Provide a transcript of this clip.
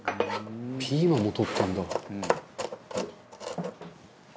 「ピーマンも採ったんだ」